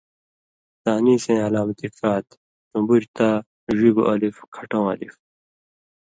تانیثَیں علامتی ڇا تھی، ٹُمبُریۡ تا، ڙِگوۡ الف، کَھٹؤں الف ،